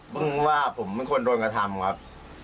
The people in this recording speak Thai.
เพิ่งว่าผมไม่ควรโดนกระทำครับ